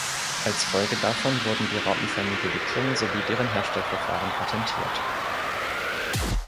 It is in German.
Als Folge davon wurden die rautenförmige Wicklung sowie deren Herstellverfahren patentiert.